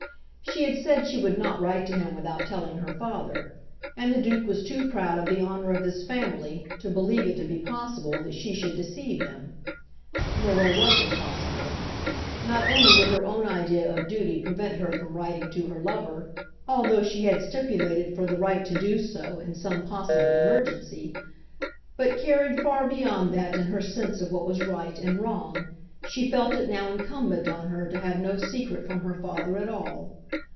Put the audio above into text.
She had said she would not write to him without telling her father, and the Duke was too proud of the honour of his family to believe it to be possible that she should deceive him. Nor was it possible. Not only would her own idea of duty prevent her from writing to her lover, although she had stipulated for the right to do so in some possible emergency, but, carried far beyond that in her sense of what was right and wrong, she felt it now incumbent on her to have no secret from her father at all.